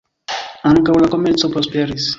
Ankaŭ la komerco prosperis.